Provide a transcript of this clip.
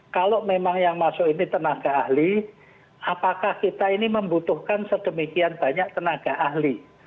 kalau memang yang masuk ini tenaga ahli apakah kita ini membutuhkan sedemikian banyak tenaga ahli